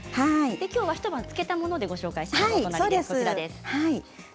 きょうは一晩つけたものをご用意しました。